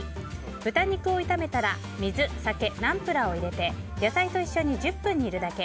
豚肉を炒めたら水、酒、ナンプラーを入れて野菜と一緒に１０分煮るだけ。